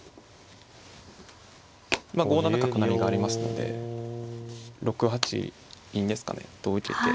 まあ５七角成がありますので６八銀ですかねと受けて。